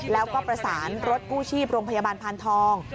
แล้วก็ประสานรถกู้ชีพโรงพยาบาลพานทอง